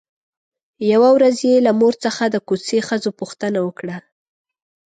يوه ورځ يې له مور څخه د کوڅې ښځو پوښتنه وکړه.